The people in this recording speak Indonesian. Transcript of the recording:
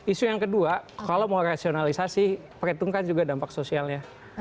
isu yang kedua kalau mau rasionalisasi perhitungkan juga dampak sosialnya